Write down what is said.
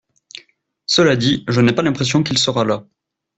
Cela dit, je n'ai pas l'impression qu'il sera là.